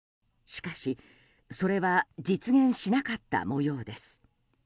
しかしそれは実現しなかった模様です。